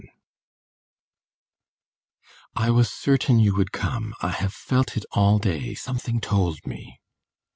XI "I was certain you would come I have felt it all day something told me!"